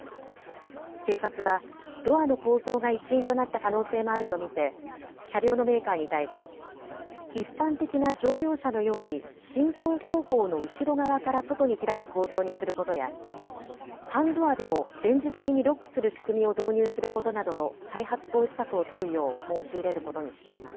警察はドアの構造が一因となった可能性もあると見て車両のメーカーに対し一般的な乗用車のように進行方向の後ろ側から外に開く構造にすることや半ドアでも電磁的にロックする仕組みを導入することなどの再発防止策を取るよう申し入れることにしています。